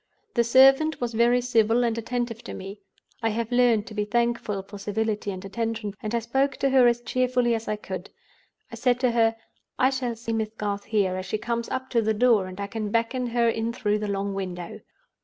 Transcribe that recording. The servant was very civil and attentive to me. I have learned to be thankful for civility and attention, and I spoke to her as cheerfully as I could. I said to her, 'I shall see Miss Garth here, as she comes up to the door, and I can beckon her in through the long window.